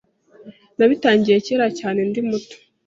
Nabitangiye kera cyane. Ndi muto